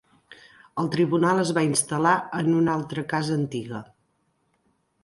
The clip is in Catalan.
El tribunal es va instal·lar en una altra casa antiga.